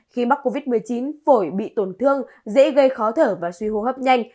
khi mắc covid một mươi chín phổi bị tổn thương dễ gây khó thở và suy hô hấp nhanh